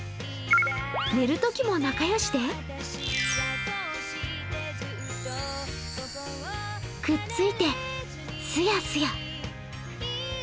寝るときも仲良しでくっついてすやすや。